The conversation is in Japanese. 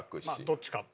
どっちか。